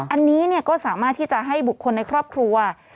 อันนี้ก็สามารถที่จะให้บุคคลในครอบครัว